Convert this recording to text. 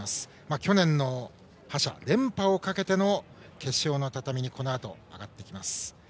去年の覇者、連覇をかけての決勝の畳にこのあと、上がってきます。